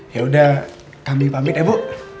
yaudah kami pamit ya bu